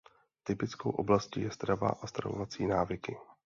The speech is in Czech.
Typickou oblastí je strava a stravovací návyky.